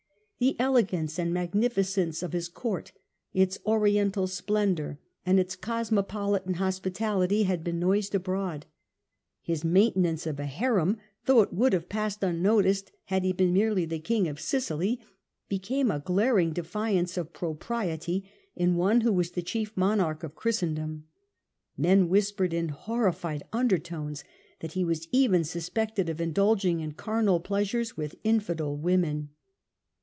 The elegance and magnificence of his Court, its Oriental splendour and its cosmopolitan hospitality, had been noised abroad. His maintenance of a harem, though it would have passed unnoticed had he been merely the King of Sicily, became a glaring defiance of propriety in one who was the chief monarch of Christendom : men whispered in horrified undertones that he was even suspected of indulging in carnal plea sures with Infidel women.